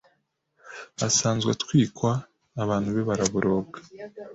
asanzwe atwikwa abantu be baraboroga